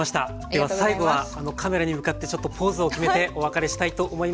では最後はカメラに向かってちょっとポーズを決めてお別れしたいと思います。